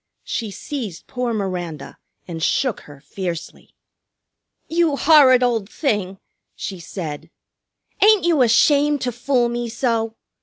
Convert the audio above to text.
She seized poor Miranda and shook her fiercely. "You horrid old thing!" she said. "Ain't you ashamed to fool me so?